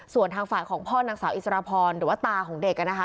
ส่วนทางฝ่ายของพ่อนางสาวอิสรพรหรือว่าตาของเด็กนะคะ